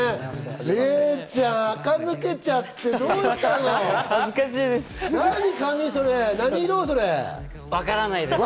レイちゃん、あか抜けちゃってどうしたのよ？